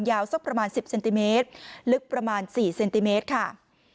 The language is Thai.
สักประมาณ๑๐เซนติเมตรลึกประมาณ๔เซนติเมตรค่ะ